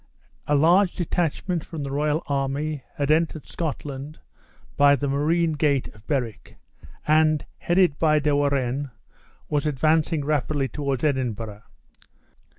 A large detachment from the royal army had entered Scotland by the marine gate of Berwick; and, headed by De Warenne, was advancing rapidly toward Edinburgh.